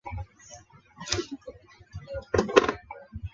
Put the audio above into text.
青铜器铭文记录了西周时代的周王命令录伯戍守防范淮夷的史实。